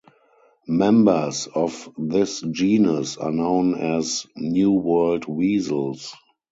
Members of this genus are known as New World weasels.